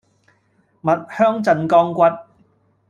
蜜香鎮江骨